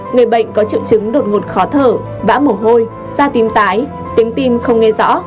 người bệnh có triệu chứng đột ngột khó thở vã mổ hôi da tim tái tiếng tim không nghe rõ